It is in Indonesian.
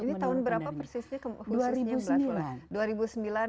jadi tahun berapa persisnya